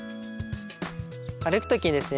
歩く時にですね